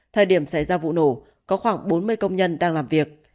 thời điểm xảy ra vụ nổ có khoảng bốn mươi công nhân đang làm việc